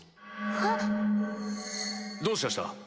どうしやした？